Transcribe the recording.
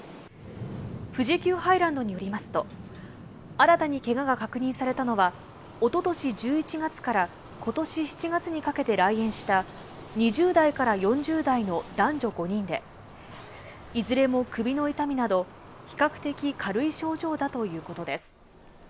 富士急ハイランドによりますと、新たにけがが確認されたのは一昨年１１月から今年７月にかけて来園した２０代から４０代の男女５人で、いずれも首の痛みなど比較的軽い症状だということです。